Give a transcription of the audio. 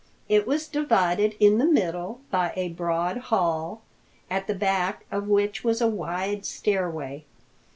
It was divided in the middle by a broad hall, at the back of which was a wide stairway.